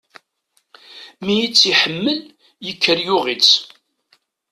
Mi i tt-iḥemmel, yekker yuɣ-itt.